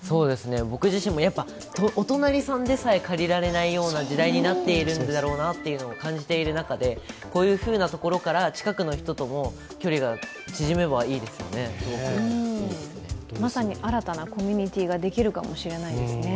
僕自身もお隣さんでさえ借りられないような時代になっているんだろうなというのを感じている中で、こういうふうなところから近くの人ともまさに新たなコミュニティーができるかもしれないですね。